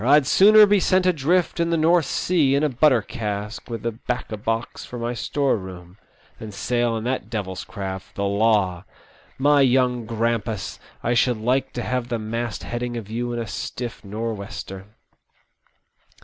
I*d sooner be sent adrift in the North Sea in a butter cask, with a 'bacco box for my store room, than sail in that devil's craft, the Law. My young grampus, I should like to have the mast heading of you in a stiflf north wester